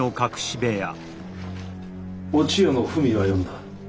お千代の文は読んだ。